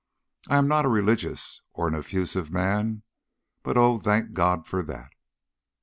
I am not a religious or an effusive man; but oh, thank God for that!